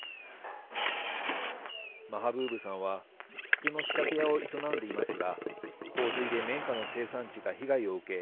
マハブーブさんは服の仕立て屋を営んでいますが洪水で綿花の生産地が被害を受け